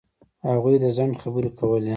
هغوی د ځنډ خبرې کولې.